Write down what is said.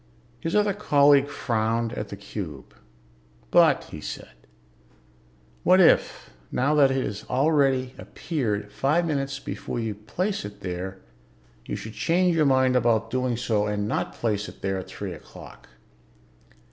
His other colleague frowned at the cube. "But," he said, "what if, now that it has already appeared five minutes before you place it there, you should change your mind about doing so and not place it there at three o'clock?